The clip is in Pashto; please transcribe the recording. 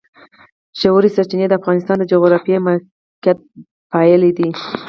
ژورې سرچینې د افغانستان د جغرافیایي موقیعت پایله ده.